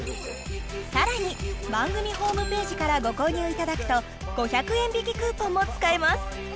さらに番組ホームページからご購入いただくと５００円引きクーポンも使えます